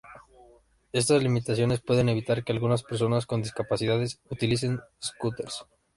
Estas limitaciones pueden evitar que algunas personas con discapacidad utilicen scooters.